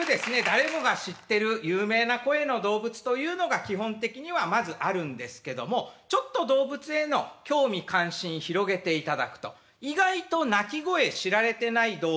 誰もが知ってる有名な声の動物というのが基本的にはまずあるんですけどもちょっと動物への興味関心広げていただくと意外と鳴き声知られてない動物というのが出てきます。